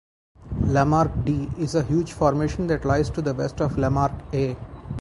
Lamarck D is a huge formation that lies to the west of Lamarck A.